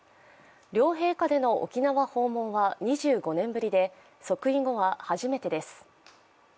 両陛下での沖縄訪問は２５年ぶりで即位後は初めてです。